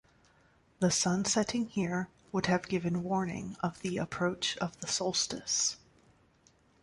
The sun setting here would have given warning of the approach of the solstice.